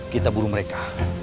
kita buru mereka